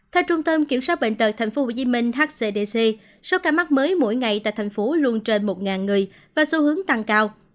theo trung tâm kiểm soát bệnh tật tp hcm hcdc số ca mắc mới mỗi ngày tại thành phố luôn trên một người và xu hướng tăng cao